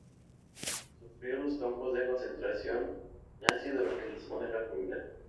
Sufrió los campos de concentración nazi durante la Segunda Guerra Mundial.